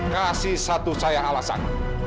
kasih satu saya alasan